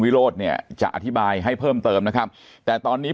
โรธเนี่ยจะอธิบายให้เพิ่มเติมนะครับแต่ตอนนี้